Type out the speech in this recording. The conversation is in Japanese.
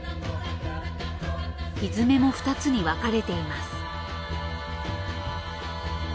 蹄も２つに分かれています。